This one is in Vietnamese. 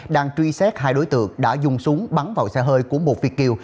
đang truy xét hai đối tượng đã dùng súng bắn vào xe hơi của một việt kiều